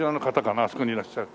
あそこにいらっしゃる。